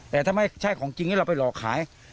แต่ถ้าไม่ใช่ของจริงแล้วเราไปหลอกขาย